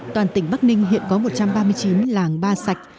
toàn tỉnh bắc ninh hiện có một trăm ba mươi chín làng ba sạch